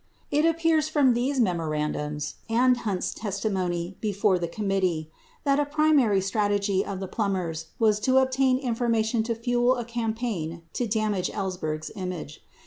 It appears from these memorandums and Hunt's testimony before the committee 81 that a primary strategy of the Plumbers was to obtain information to fuel a campaign to damage Ellsberg's image.